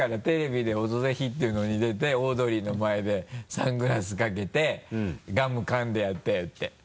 テレビで「オドぜひ」っていうのに出てオードリーの前でサングラスかけてガムかんでやったよって。